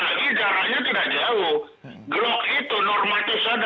jadi kalau lima ruangan ada lima itu bukan hal yang luar biasa itu biasa biasa saja